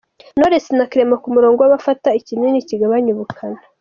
Knowless na Clement ku murongo w’abafata ikinini kigabanya ubukana.